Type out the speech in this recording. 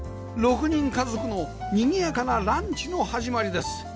６人家族のにぎやかなランチの始まりです